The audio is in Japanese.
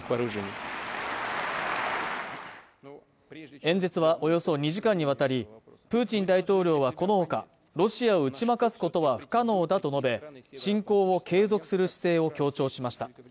演説はおよそ２時間にわたりプーチン大統領はこのほか、ロシアを打ち負かすことは不可能だと述べ、侵攻を継続する姿勢を強調しました。